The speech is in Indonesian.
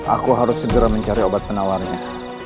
aku harus segera mencari obat penawarnya